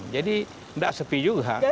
jadi tidak sepi juga